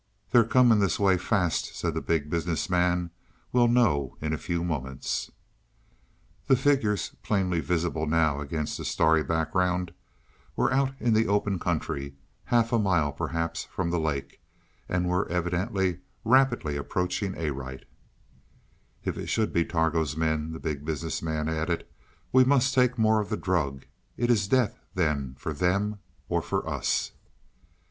"They're coming this way fast," said the Big Business Man. "We'll know in a few moments." The figures, plainly visible now against the starry background, were out in the open country, half a mile perhaps from the lake, and were evidently rapidly approaching Arite. "If it should be Targo's men," the Big Business Man added, "we must take more of the drug. It is death then for them or for us."